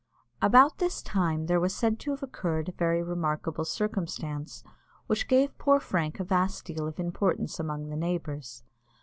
About this time there was said to have occurred a very remarkable circumstance, which gave poor Frank a vast deal of importance among the neighbours.